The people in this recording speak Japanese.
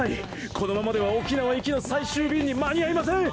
このままでは沖縄行きの最終便に間に合いません！